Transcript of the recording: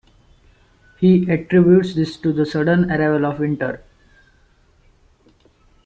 He attributes this to the sudden arrival of winter.